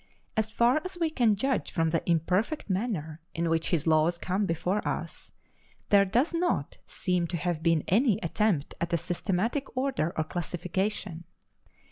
As far as we can judge from the imperfect manner in which his laws come before us, there does not seem to have been any attempt at a systematic order or classification.